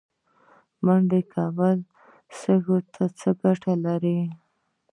منډه کول سږو ته څه ګټه لري؟